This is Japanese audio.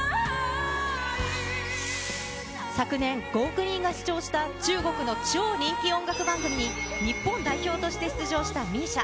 昨年、５億人が視聴した中国の超人気音楽番組に、日本代表として出場したＭＩＳＩＡ。